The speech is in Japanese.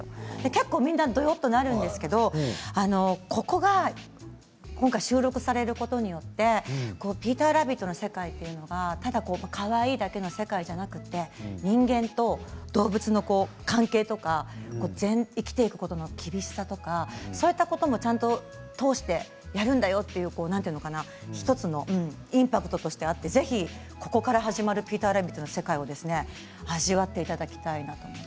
結構みんな、どよっとなるんですけど、ここが今回収録されることによって「ピーターラビット」の世界がただかわいいだけの世界ではなくて人間と動物の関係とか生きていくことの厳しさとかそういったこともちゃんと通してやるんだよという１つのインパクトとしてあってぜひ、ここから始まる「ピーターラビット」の世界を味わっていただきたいなと。